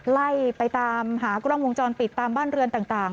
ไล่ไปตามหากล้องวงจรปิดตามบ้านเรือนต่าง